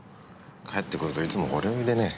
帰ってくるといつもほろ酔いでね。